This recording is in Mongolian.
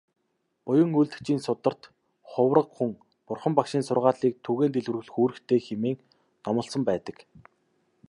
Буян үйлдэгчийн сударт "Хувраг хүн Бурхан багшийн сургаалыг түгээн дэлгэрүүлэх үүрэгтэй" хэмээн номлосон байдаг.